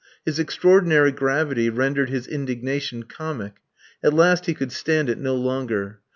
His extraordinary gravity rendered his indignation comic. At last he could stand it no longer.